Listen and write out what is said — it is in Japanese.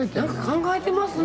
考えていますね。